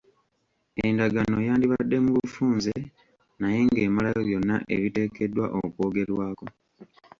Endagaano yandibadde mu bufunze naye ng'emalayo byonna ebiteekeddwa okwogerwako.